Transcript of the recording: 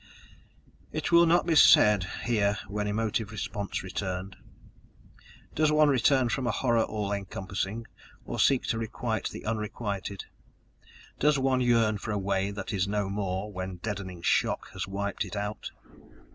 It will not be said here when emotive response returned. Does one return from a horror all encompassing, or seek to requite the unrequited? Does one yearn for a Way that is no more when deadening shock has wiped it out?